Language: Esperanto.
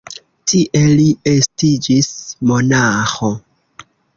Tie li estiĝis monaĥo.